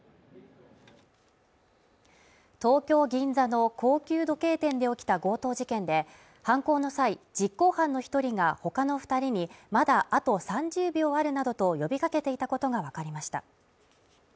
東京銀座の高級時計店で起きた強盗事件で、犯行の際、実行犯の１人が他の２人にまだあと３０秒あるなどと呼びかけていたことがわかりました。